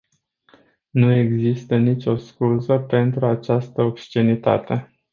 Nu există nicio scuză pentru această obscenitate.